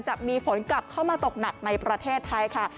จะมีฝนกลับเข้ามาตกหนักในประเทศไทยค่ะ